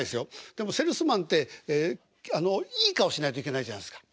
でもセールスマンっていい顔しないといけないじゃないですか。